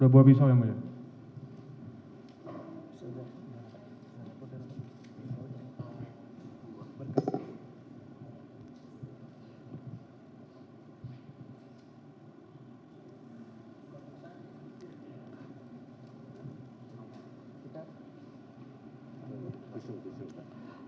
dua buah pisau yang mulia